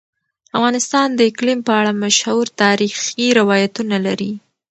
افغانستان د اقلیم په اړه مشهور تاریخی روایتونه لري.